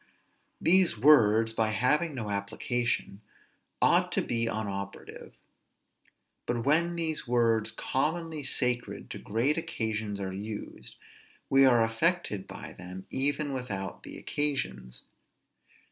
These words, by having no application, ought to be unoperative; but when words commonly sacred to great occasions are used, we are affected by them even without the occasions.